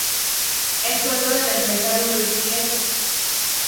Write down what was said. Es suegro del empresario Luis Iglesias.